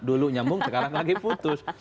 dulu nyambung sekarang lagi putus